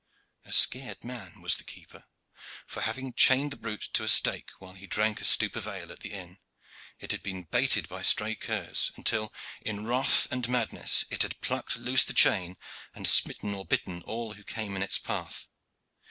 A scared man was the keeper; for, having chained the brute to a stake while he drank a stoup of ale at the inn, it had been baited by stray curs, until, in wrath and madness, it had plucked loose the chain, and smitten or bitten all who came in its path.